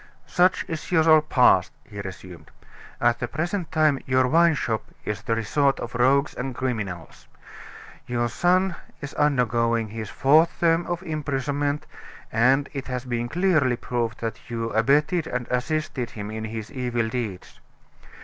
"Such is your past," he resumed. "At the present time your wine shop is the resort of rogues and criminals. Your son is undergoing his fourth term of imprisonment; and it has been clearly proved that you abetted and assisted him in his evil deeds.